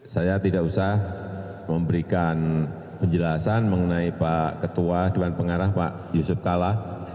saya tidak usah memberikan penjelasan mengenai pak ketua dewan pengarah pak yusuf kalla